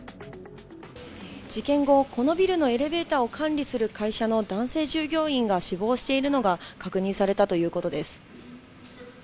事件後、このビルのエレベーターを管理する会社の男性従業員が死亡しているのが確認されたということです。